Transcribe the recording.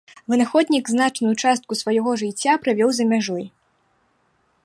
Вынаходнік значную частку свайго жыцця правёў за мяжой.